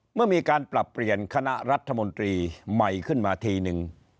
เมื่อมีการปรับเปลี่ยนคณะรัฐมนตรีใหม่ขึ้นมาทีนึง